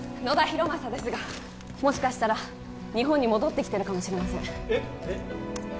野田浩正ですがもしかしたら日本に戻ってきてるかもしれませんえっ？